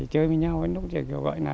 chơi với nhau đến lúc